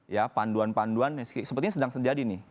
ya panduan panduan yang sepertinya sedang terjadi nih